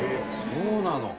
そうなの？